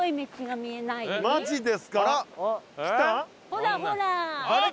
ほらほら。